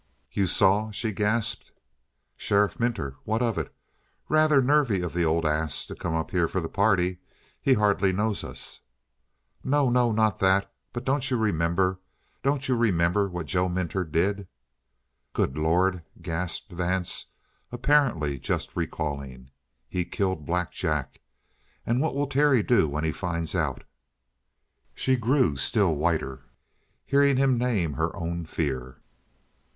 "You saw?" she gasped. "Sheriff Minter? What of it? Rather nervy of the old ass to come up here for the party; he hardly knows us." "No, no! Not that! But don't you remember? Don't you remember what Joe Minter did?" "Good Lord!" gasped Vance, apparently just recalling. "He killed Black Jack! And what will Terry do when he finds out?" She grew still whiter, hearing him name her own fear.